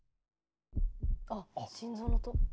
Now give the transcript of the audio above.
あっ心臓の音。